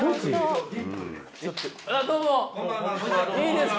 いいですか？